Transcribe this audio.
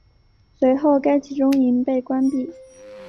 随后该集中营被关闭。